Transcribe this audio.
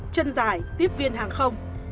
chân dài tiếp viên hàng không